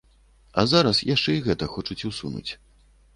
А зараз яшчэ і гэта хочуць усунуць.